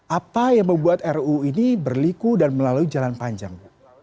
apa yang membuat ruu ini berliku dan melalui jalan panjang